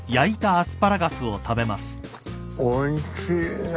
おいしいね。